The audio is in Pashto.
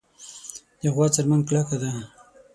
د غوا څرمن کلکه ده.